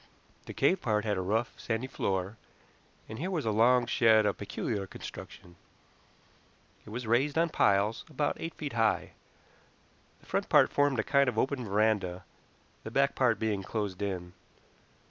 The cave part had a rough, sandy floor, and here was a long shed of peculiar construction. It was raised on piles, about eight feet high; the front part formed a kind of open veranda, the back part being closed in.